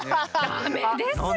ダメですよ！